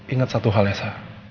inget satu hal ya sa